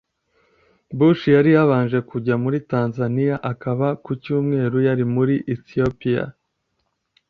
Bush yari yabanje kujya muri Tanzania akaba ku cyumweru yari muri Ethiopia